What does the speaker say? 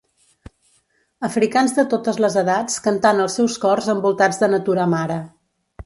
Africans de totes les edats cantant els seus cors envoltats de natura mare.